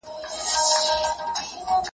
بېګانه سي له وطنه له خپلوانو .